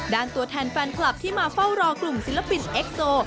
ตัวแทนแฟนคลับที่มาเฝ้ารอกลุ่มศิลปินเอ็กโซ